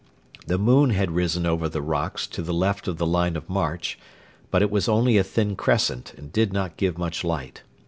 The moon had risen over the rocks to the left of the line of march, but it was only a thin crescent and did not give much light.